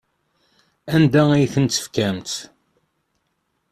Anda ay ten-tefkamt?